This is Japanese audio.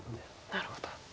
なるほど。